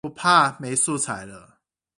不怕沒素材了